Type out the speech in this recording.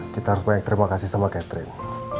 kita harus banyak terima kasih sama catherine